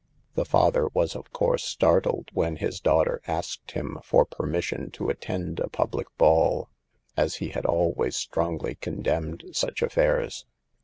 The father was of course startled when his daughter asked him for permission to attend a public ball, as he had always strongly condemned such affairs.